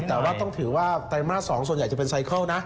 แต่ว่าต้องถือว่าไตรมาส๒ส่วนใหญ่จะเป็นไซเคิลนะ